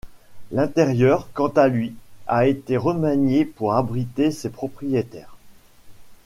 L'intérieur, quant à lui, a été remanié pour abriter ses propriétaires.